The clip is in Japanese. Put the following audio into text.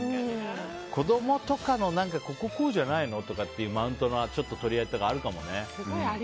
子供とかのここ、こうじゃない？とかのマウントのとり合いとかはあるかもね。